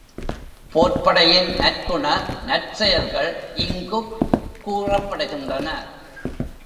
போர்ப் படையின் நற்குண நற்செயல்கள் இங்குக் கூறப்படுகின்றன.